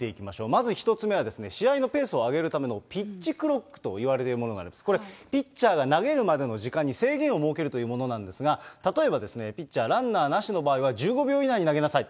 まず１つ目は、試合のペースを上げるためのピッチクロックといわれるものなんですが、これ、ピッチャーが投げるまでの時間に制限を設けるというものなんですが、例えば、ピッチャーランナーなしの場合は１５秒以内に投げなさい。